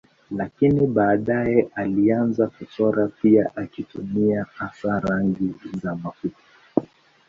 Lakini baadaye alianza kuchora pia akitumia hasa rangi za mafuta.